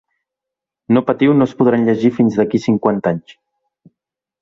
No patiu no es podran llegir fins d'aquí cinquanta anys.